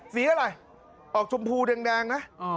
สีอะไรออกชมพูแดงนะ